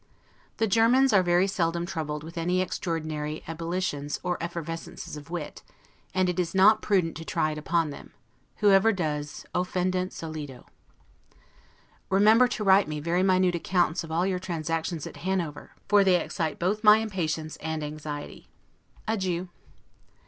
The Germans are very seldom troubled with any extraordinary ebullitions or effervescenses of wit, and it is not prudent to try it upon them; whoever does, 'ofendet solido'. Remember to write me very minute accounts of all your transactions at Hanover, for they excite both my impatience and anxiety. Adieu!